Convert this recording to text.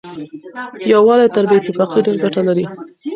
يووالی تر بې اتفاقۍ ډېره ګټه لري.